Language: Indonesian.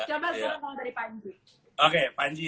coba sekarang ngomong dari panji